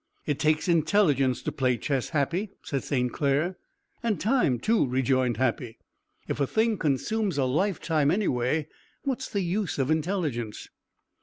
"It takes intelligence to play chess, Happy," said St. Clair. "And time, too," rejoined Happy. "If a thing consumes a lifetime anyway, what's the use of intelligence?"